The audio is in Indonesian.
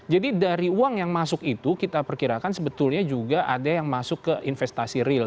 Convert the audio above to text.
jadi dari uang yang masuk itu kita perkirakan sebetulnya juga ada yang masuk ke investasi real